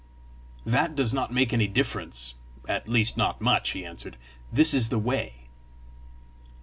"That does not make any difference at least not much," he answered. "This is the way!"